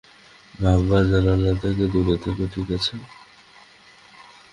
ভাঙা জানালা থেকে দূরে থেকো ঠিক আছে।